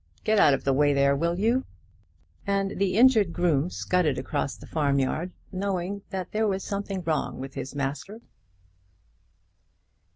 Get out of the way there, will you?" And the injured groom scudded across the farm yard, knowing that there was something wrong with his master.